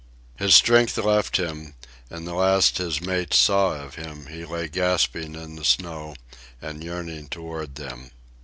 His strength left him, and the last his mates saw of him he lay gasping in the snow and yearning toward them.